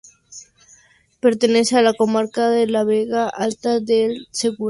Pertenece a la comarca de la Vega Alta del Segura.